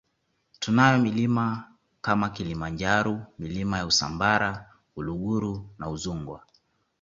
Tunayo milima kama Kilimanjaro Milima ya Usambara Uluguru na Udzungwa